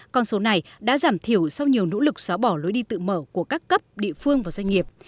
con số này đã giảm thiểu sau nhiều nỗ lực xóa bỏ lối đi tự mở của các cấp địa phương và doanh nghiệp